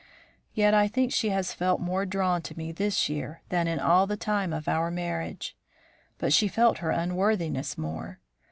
"Yet I think she has felt more drawn to me this year than in all the time of our marriage. But she felt her unworthiness more.